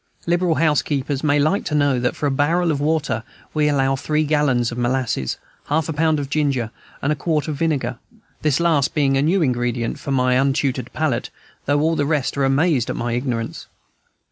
Liberal housekeepers may like to know that for a barrel of water we allow three gallons of molasses, half a pound of ginger, and a quart of vinegar, this last being a new ingredient for my untutored palate, though all the rest are amazed at my ignorance.